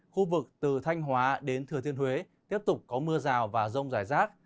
khu vực từ thanh hóa đến thừa thiên huế tiếp tục có mưa rào và rông rải rác